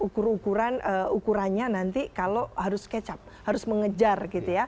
karena ukur ukurannya nanti kalau harus kecap harus mengejar gitu ya